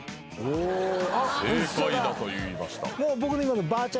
正解だと言いました。